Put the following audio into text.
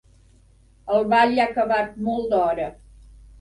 El ball ha acabat molt d'hora.